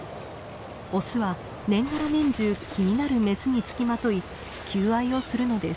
オスは年がら年中気になるメスにつきまとい求愛をするのです。